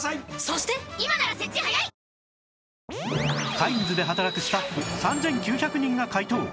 カインズで働くスタッフ３９００人が回答！